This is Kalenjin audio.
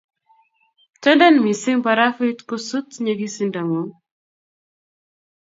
tenden mising barafuit kusut nyegisindo ng'ung'